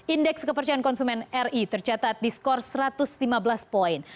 indeks kepercayaan konsumen ri tercatat di skor satu ratus lima belas poin